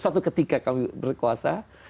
suatu ketika kami berkuasa